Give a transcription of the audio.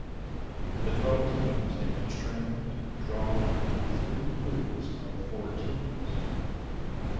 The twelve teams at each tournament drawn into three pools of four teams.